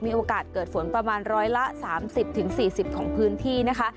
มีโอกาสเกิดฝนประมาณร้อยละ๓๐๔๐ของพื้นที่นะคะ